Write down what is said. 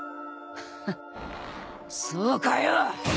フッそうかよ！